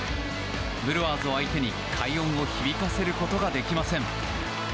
ブルワーズを相手に快音を響かせることができません。